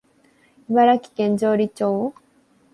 茨城県城里町